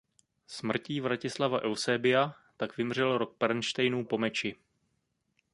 Smrtí Vratislava Eusebia tak vymřel rod Pernštejnů po meči.